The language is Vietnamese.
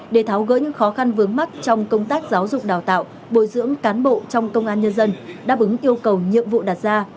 để tháo gỡ những khó khăn vướng mắt trong công tác giáo dục đào tạo bồi dưỡng cán bộ trong công an nhân dân đáp ứng yêu cầu nhiệm vụ đặt ra